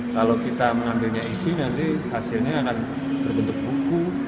kalau kita mengambilnya isi nanti hasilnya akan berbentuk buku